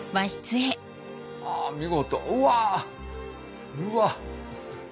あ見事うわうわっ。